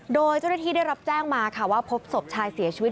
โดยเจ้าหน้าที่ได้รับแจ้งมาค่ะว่าพบศพชายเสียชีวิต